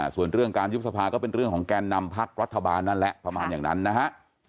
ส่วนเรื่องการยุบสภาก็เป็นเรื่องของแกนนำพักรัฐบาลนั่นแหละประมาณอย่างนั้นนะฮะ